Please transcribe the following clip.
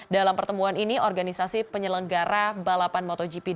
dalam pertemuan ini organisasi penyelenggara balapan motogp